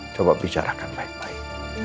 coba bicara kan baik baik